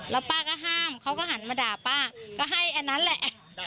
แล้วป้าก็ห้ามเขาก็หันมาด่าป้าก็ให้อันนั้นแหละ